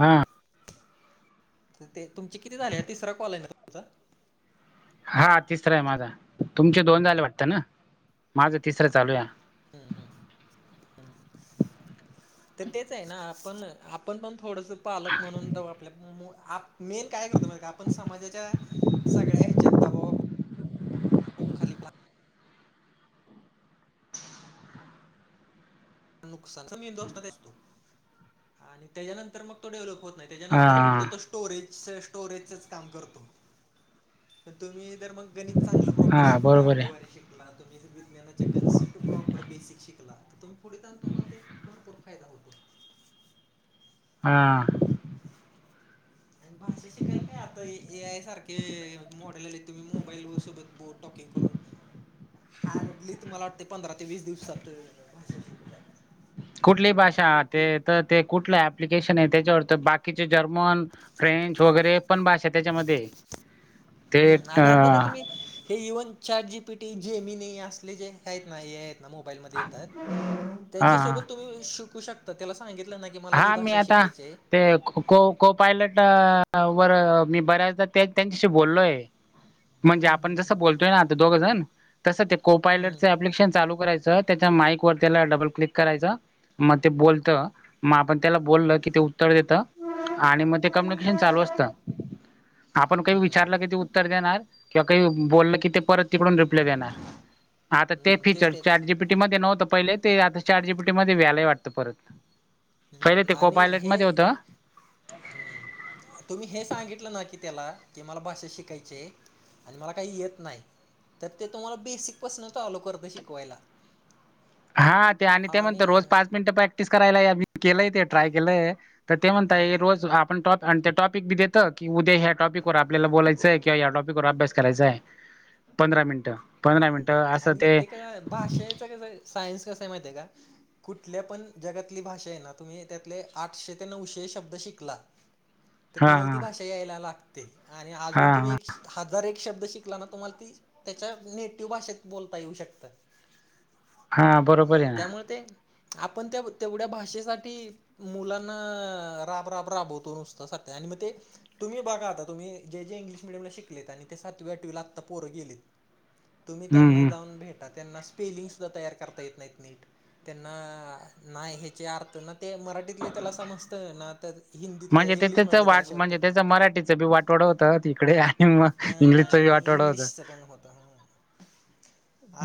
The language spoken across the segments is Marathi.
हा ते तुमचे किती झाले तिसरा कॉल आहे तुमचा हा तिसरं आहे माझा तुमचे दोन झाले वाटत ना माझं तिसरं चालूया. हा हा हा. [unintelligible] तर तेच आहे ना आपण आपण पण थोडस पालक म्हणून आपल्या मेन काय करतो म का आपण समाजाच्या सगळ्या ह्याच्यात दबावा. हो खाली. नुकसान मतो आणि त्याच्यानंतर मग तो डेव्हलप होत नाही. हा त्याच्यानंतर फक्त तो स्टोरेज स्टोरेजचच काम करतो पण तुम्ही जर मग गणित चांगलं प्रॉपर हा शिकला बरोबर आहे आकडेवारी शिक. तुम् विज्ञानाच्या कन्सेप्ट प्रॉपर बेसिक शिकला तर तुम्ही पुढे जा तुम्हाला ते भरपूर फायदा होतो हा आणि भाषा शिकायला काय आता ए आय सारखे मॉडेल आले तुम्ही मोबाईल व सोबत ब टॉकिंग करून हार्डली तुम्हाला वाटते पंधरा ते वीस दिवसात भाषा शिकू शकता कुठली भाषा म्हणजे ते कुठली तर ते कुठ प्लिकेशन आहे त्याच्यावर बाकीचे जर्मन फ्रेंच वगैर पण भाषेत त्याच्यामध्ये ते हम्म अ आणि आता नाही तुम्ही हे even chat G P T Gemini नाही असले जे आहेत नाही आहेत. मोबाईल येतात हा त्याच्यासोबत तुम्ही शिकू शकता. आ त्याला सांगितलं ना की मला ही हा मी भाषा आता शिकायची आहे ते खो खो को पायलट वर मी बऱ्याचदा त्यांच्याशी बोललोय म्हणजे हम्म आपण हम्म हम्म जसं बोलतोय ना आता दोघ जण तसं ते हम्म कोपायलटचं अप्लिकेशन लू करायचं त्याच्या माईक वर त्याला डबल क्लिक करायचं मग ते बोलत मग आपण त्याला बोलल की ते उतर देत आणि मग ते कम्युनिकेशन चालू असतं आपण काही विचारलं की ते उत्तर देणार किंवा काही बोलल की ते परत तिकडून रिप्लाय देणार आता ते हम्म तेच फीचर तेच चारजीबी मध्ये नव्हं पहिले ते आता चारजी पीटी मध्ये व्यायलाय वाटतं परत पहिले हम्म ते को आणि पायलट हे मध्ये होतं हम्म तुम्ही हे सांगितलं ना कि त्याला कि मला भाषा शिकायची आणि मला काही येत नाही तर ते तुम्हाला बेसिकपसन चालो करतं शिकवायला हा ते आणि ते म्हणत रोज पाच मिनिटं प्रॅक्टिस करायला या केलंय ते ट्राय केलंय तर ते म्हणता रोज आप ण आणि त्या टॉपिक बी देतं की उद्या ह्या टॉपिक वर आपल्याला बोलायचंय किंवा या टॉपिक वर अभ्यास करायचांय पंधरा मिनटं पंधरा मिनट हम्म, असं आणि ते काय भाषेचं कसं सायन्स कसा माह आहे का कुठल्या पण जगातली भाषा आहे ना तुम्ही त्यातले आठशे ते नऊशे शब्द शिकला ह तर तुम्हाला ती भाषा यायला लागते आणि अजून तुम्ही हा एक हजार एक शब्द शिकला ना तुम्हाला ती नेटिव भाषेत बोलता येऊ शकत हा हा बरोबर हम् आहे ना त्यामुळे ते आपण त्या तेवढ्या भाषेसाठी मुलांना राबराब राबवतो नुसता साध आणि मग ते तुम्ही बघा आताुम्ही जे जे इंग्िश मिडयला शिकत आणि ते सातवी्या आठवीला आत्ता पोंेलेत तुम्ही हम्म त्यांना हम्म जाऊन भेटा त्यांना स्पेलिंग सुद्धा तयार करता येत नाहीत नीट त्यांना नाही ह्याचे अर्थ ना ते मराठी मराठीतले त्याला समजत ना तर हिंदीतले इंग्लिश मधले त्याला शबत मराठी वाटवड होतं इकडे हा आणि इंग्लिशच पण होत ह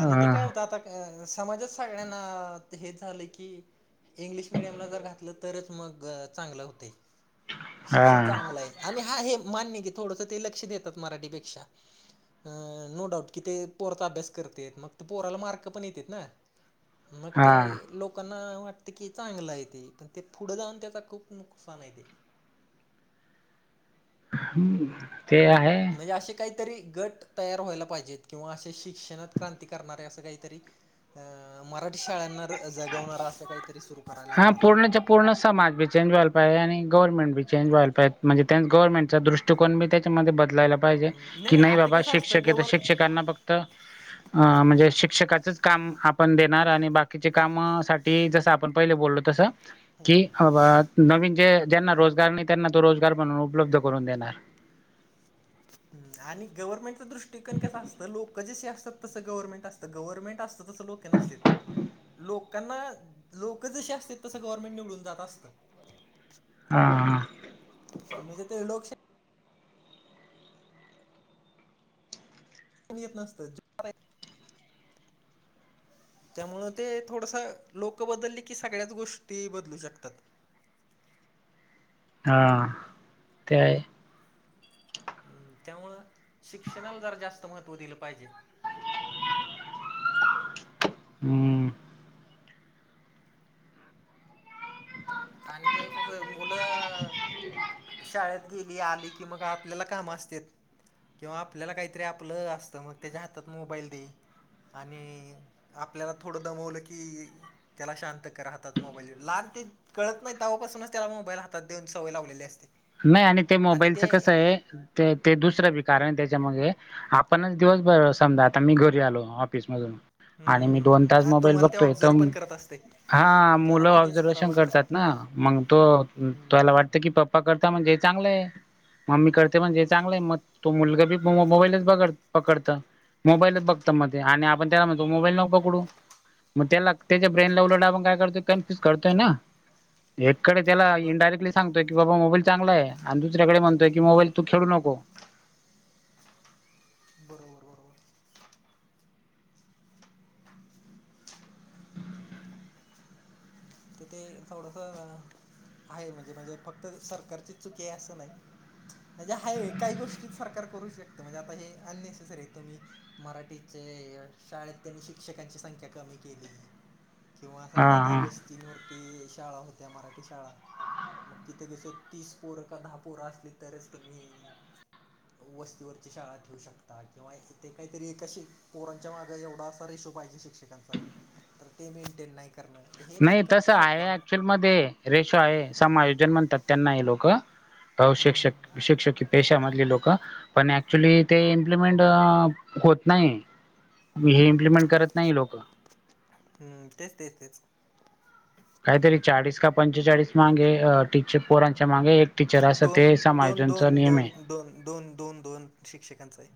आणि ते काय होत आता अ समाजात सगळ्यांना हे झालं की इंग्लिश मिीडियमला जर घातलं तरच मग चांगलं होते हा शिक्षण चांगलं आहे आणि हा हे मान्य की थोडंस ते लक्ष देतात मराठीपेक्षा अं नो डाऊट कि ते पोराचा अभ्यास करत मग ते पोराला मार्क पण येतेत ना मग हा ते लोकांना वाटतें की चांगलं आहे ते पण ते पुढं जाऊन त्याच खूप नुकसान आहे ते ह ते आहे हे असे काहीतरी गट तयार व्हायला पाहिजेत किंवा असे शिक्षणात क्रांती करणारे असं काहीतरी अ मराठी शाळांना जगवणारा असं काहीतरी सुवरूप हा पूर्ण च पूर्ण समा बीचेंज वालाहि आहे आणि गवरर्मेंटी चेज वालाहि म्हणजे ते गरमेंट दृष्टी चुकून मी त्याच्यामध्ये बदलायला पाहिजे हम्म, की नाही आता बाबा कसं शिक्षक असतं आहे तर गवर शिक्षकांना फक्त अ म्हणजे शिक्षकाचच काम आपण देणार आणि बाकीचे काम साठी जस आपण पहिले बोललो तस की [unintelligible] नवीन जे ज्यांना रोजगार नाही त्यांना तो रोजगार बन उपलब्ध करून देणार. आणि गव्हर्नमेंटचं दृष्टीकन कसं असतं लोक जशी असतात तस गव्हर्नमेंट असत गव्हर्नमेंट अस - - लोकं नसत्यात. लोकांना लोक जशी असत तसं गव्हर्मेंट निवडून जात असतं. हा, हा. म्हणजे ते लोकशाही येत नसत [unintelligible] [inaudible] त्यामुळं ते थोडंसं लोकं बदलली की सगळ्याच गोष्टी बदलू शकतात. हां. [unintelligible] हम्म. त्यामुळं शिक्षणाला जर जास्त महत्त्व दिलं पाहिजे. हम. आणि ते एक मुलं - - शाळेत गेली, आली की मग आपल्याला काम असतेत. किंवा आपल्याला काहीतरी आपलं असतं मग, त्याच्या हातात मोबाईल दे आणि आपल्याला थोडं दमवलं की त्याला शांत करा हातात मोबाईल [unintelligible] कळत नाही तवापासूनच त्याला मोबाईल हातात देऊन सवय लावलेली असत्या. नाही आणि ते मोबाईलच कसं आहे ते ते दुसरं बी कारण आहे त्याच्यामागे आपणच दिवसभर समजा आता मी घरी आलो ऑफिस मधून. आणि हम्म मी दोन हम्म तास आ- मोबाईल तुम्हाला ते बघतोयं ऑब्झर्व तंम पण - करत असते - हा. त्याला मुलं पण तेच करा ऑब्झर्वेशन वाटतं करतात ना. मग तो हम्म, तुला वाटत की प [unintelligible] करता म्हणजे चांगलंयं. मम्मी करते म्हणजे चांगलं आहे मग तो मुलगा बी मोबाईलच बघड पकडत. मोबाईलच बघत मध्ये आणि आपण त्याला तो मोबाईल न पकडू. मग त्याला त्याच्या ब्रेन ला उलटा आपण काय करतो? कनफ्यूज करतोय ना. एककडे त्याला बरं इंडायरेक्टली सांगतोय - - की बाबा मोबाईल चांगलायं आणि दुसरीकडे म्हणतोय की मोबाईल तू खेळू नको. बरोबर. बरोबर. तथे थोडस आहे म्हणजे म्हणजे फक्त सरकारची चुकी आहे असं नाही. म्हणजे हाये काही गोष्टी सरकार करू शकत म्हणजे आता हे अननेसेसरी आहे. तुम्ही - - मराठीचे शाळेत त्यांनी शिक्षकांची संख्या कमी केली. किंवा हा समजा आता हा वस्तींवरती शाळा होत्या. मराठी शाळा. मग तिथं कस तीस पोरं का दहा पोरं असली तरच तुम्ही - - वस्तीवरची शाळा ठेवू शकता किंवा इथे काहीतरी एक अशी पोरांच्या माग एवढा असा रेशो पाहिजे शिक्षकांचा तर ते मेंटेन नाही करणार [unintelligible] नाही तसं आहे. ऍक्च्युअल मध्ये रेशो आहे. समायोजन म्हणतात त्यांना हे लोक. तव शिक्षक शिक्षकित - - पेशामधली लोकं पण ऍक्च्युली ते इम्प्लिमेंट होत नाही. हे इम्लिमेंट करत नाही ही लोक. हम्म. तेच तेच तेच. काहीतरी चाळीस का पंचेचाळीस मागे [unintelligible] पोरांच्या मागे एक टीचर असात दोन ते दोन समाोजनच दोन दोन नियमयं. दोन दोन, दोन, दोन शिक्षकांचां आहे.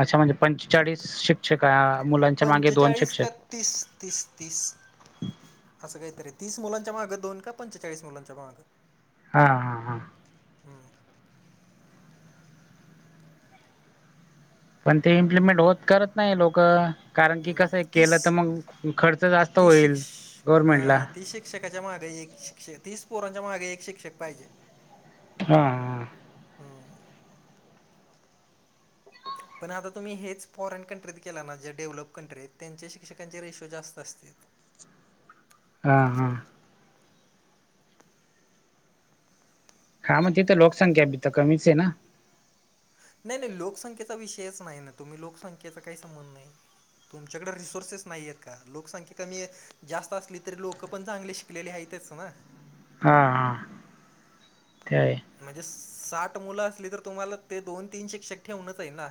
अच्छा म्हणजे पंचेचाळीस शिक्षक मुलांच्या मागे दोन पंचेचाळीस शिक्षक. का तीस, तीस, तीस. असं काहीतरी. तीस मुलांच्या मागं दोन का पंचेचाळीस मुलांच्या मागं. हा, हा. हम्म. पण ते इम्प्लिमेंट होत करत नाही लोक. कारण की हम्म, कसं हाय तीस केलं तर मग खर्च जास्त तीस होईल शिक्ष गव्हर्मेंटला. हां तीस शिक्षकाच्या मागे एक शिक्षक तीस पोरांच्या मागे एक शिक्षक पाहिजे. हा. हा हम्म पण आता तुम्ही हेच फॉरेन कंट्रीत केला ना ज्या डेव्हलप कंट्रीत त्यांचे शिक्षकांचे रेशो जास्त असते. हां हां. हा मग तिथे लोकसंख्या भी तर कमीच आहे ना. नाही नाही लोकसंख्येचा विषयच नाही ना तुम्ही लोकसंख्येचा काही संबंध नाही. तुमच्याकडडे रिसोर्सेस नाही आहेत का लोकसंख्या कमी आहे. जास्त असली तरी लोक पण चांगली शिकलेली आहेतच ना. हा हा ते म्हणजे साठ मुलं असली तर तुम्हाला ते दोन तीन शिक्षक ठेवूनच आहे ना.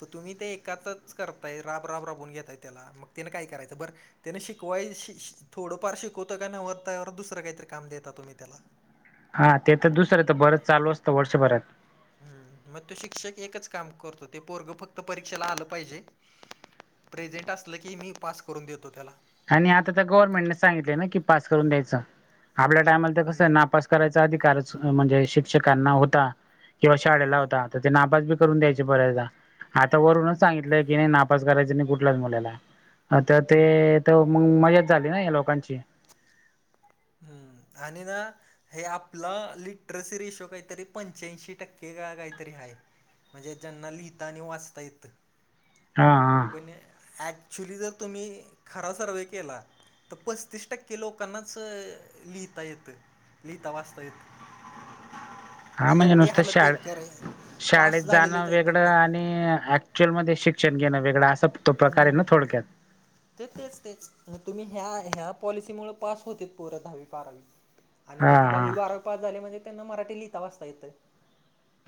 तर तुम्ही ते एकाातच करताय राब राब राबून घेताय त्याला मग ति काय करायचं बरं. त्याने शिकवाय थोडंफार शिकवतं का नाही वरतावर दुसरं काहीतरी काम देता तुम्ही त्याला हा ते तर दुसरं तर बरंच चालू असतं वर्षभरात हम् मग तो शिक्षक एकच काम करतो ते पोरग फक्त परीक्षेला आलं पाहिजे. प्रेझेंट असलं की मी पास करून देतो त्याला आणि आता तर गव्हर्नमेंटने सांगितले ना की पास करून द्यायचं आपल्या टायमाला तर कसं हम्म. ना पास करायचा अधिकारच म्हणजे शिक्षकांना होता किंवा शाळेला होता तर ते नाबाज ब करून द्यायचे बऱयचदा आता वरूनच सांगितलंय की नाही नापास करायचं नाही कुठलाच मुलाला आता ते तर मग मजाच झाली ना लोकांची हम्म आणि ना. हे आपला लिटरसी रेशो काहीतरी पंच्याऐंशी टक्के का काहीतरी आहे. म्हणजे जेना लिहिितता वाचता यथ हा हा. पण ॲक्च्युली जर तुम्ही खरा सर्वे्हे केला तर पस्तीस टक्के लोकांनाच स लिता येत लिता वाचता येत. हा म्हणजे एवढी नुसतं हालत शाळे बेकर आहे पास झालेलीच आहेत फक्त क्चल मध्ये शिकषण घेणं वेग हम. तेच तेच तेच तुम्ही ह्या ह्या पॉलिसी मु पास होतील परा दहावी बारावी आणिग हा ते दहावी हा बारावी पाच झाले म्हणजे त्यांना मराठी लिहिता वाजता येतं.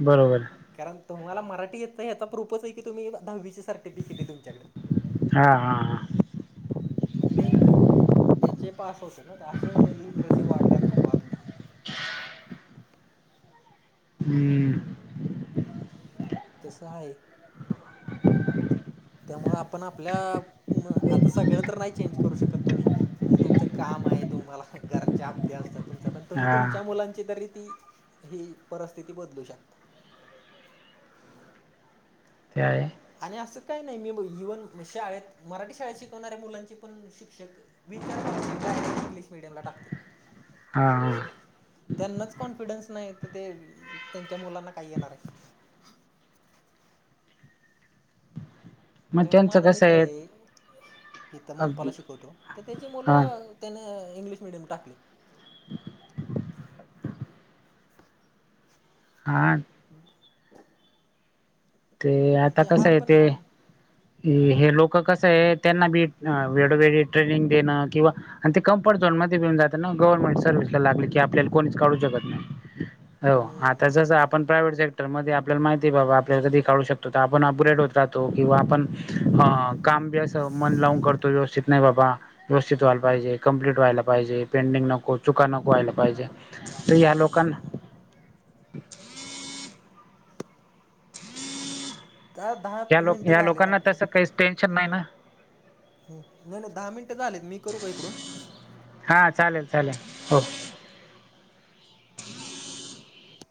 बरोबर. कारण तुम्हाला मराठी येतच आता प्रूपच आहे की तुम्ही दहावीची सर्टिफिकेट आहे तुमच्याकडे हा हा हा. ् मग ते ह पास होते ना ते असे लिटरेस. ती वाढल्या खूपातली [unintelligible] हम्म. तसं आहे. त्यामुळ आपण आपल्या मं आता सगळं तर नाही चेंज करू शकत तुम्ही? म्हणजे तुमचं काम आहे तुम्हाला घराचे हप्ते असतात. तुमचा पण तुम्ही हा तुमच्या मुलांची तरी ती ही परस्थिती बदलू शकता. त्या आहे. आणि असं काही नाही मी इवन शाळेत मराठी शाळेत शिकवणाऱ्या मुलांची पण शिक्षक विद इंग्लिश मिडियमला टाकते. हा हा. त्यांनाच कॉन्फिडन्स नाही तर ते त्यांच्या मुलांना काही येणार आहे. मग तेव्हा त्यांचं माझा कसं मित्र आहे इिथं मनपाला शिकवतो तर त्याची हा मुलं त्याने इंग्लिश मिडयम टाकले हां. ह. ते आता हा कसंय पण ते आहे ना हे हे लोक कसंय त्यांना बी अ वेळोवेळी ट्रेनिंग देणं किंवा आणि ते कम्फर्ट झोन मध्ये मिळून जात ना गव्हर्नमेंट सर्व्हिसला लागले की आपल्याला कोणीच काढू शकत नाही हो आता हम्म जसं आपण पण सेक्टर मध्ये आपल्याला माहितीय बाबा आपल्याला करू शकतो त आपण अपग्रेड होत राहतो किंवा आपण अ काम बी असं मन लावून करतो व्यवस्थित नाही बाबा व्यवस्थित व्हायला पाहिजे कम्प्लीट व्हायला पाहिजे पेंडिंग नको चुका नको व्हायला पाहिजे तर या लोकांना हम्म त्या दहा या लोक मिनटं या झालेत लोकांना आपले तसं काहीच टेन्शन नाही ना हं नाही नाही दहा मिनटे झालेत मी करू का इकडून हा चालेल चालेल हो